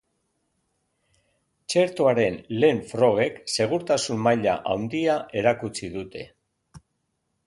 Txertoaren lehen frogek segurtasun maila haundia erakutsi dute.